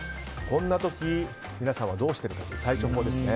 こんな時、皆さんはどうしているかという対処法ですね。